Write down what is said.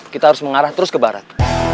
kita harus mengarah terus ke barat